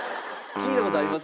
聞いた事あります？